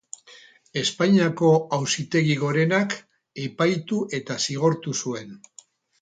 Espainiako Auzitegi Gorenak epaitu eta zigortu zuen.